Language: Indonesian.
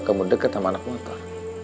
kamu dekat sama anak motor